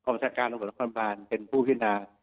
บริษัทการหัวเราะความบ้านเป็นผู้พินา